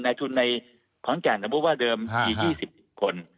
นายทุนของจ่านสมมติว่าเดิมอีก๒๐คน